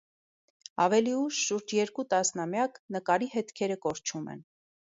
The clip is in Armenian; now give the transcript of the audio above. Ավելի ուշ, շուրջ երկու տասնամյակ, նկարի հետքերը կորչում են։